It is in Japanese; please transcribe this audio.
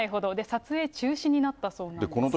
撮影中止になったそうなんです。